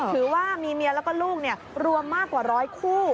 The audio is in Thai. ถือว่ามีเมียแล้วก็ลูกรวมมากกว่าร้อยคู่